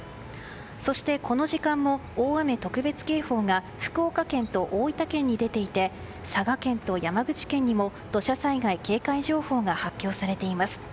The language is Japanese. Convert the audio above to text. そしてこの時間も大雨特別警報が福岡県と大分県に出ていて佐賀県と山口県にも土砂災害警戒情報が発表されています。